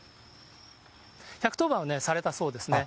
１１０番はされたそうですね。